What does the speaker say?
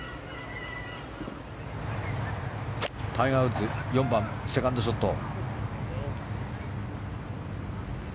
タイガー・ウッズ、４番セカンドショット。